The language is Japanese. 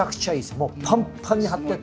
もうパンパンに張ってて。